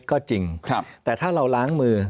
ก็จริงแต่ถ้าเราล้างมือ